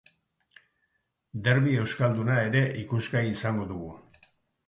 Derbi euskalduna ere ikusgai izango dugu.